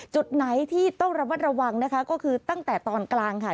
จุดไหนที่ต้องระมัดระวังนะคะก็คือตั้งแต่ตอนกลางค่ะ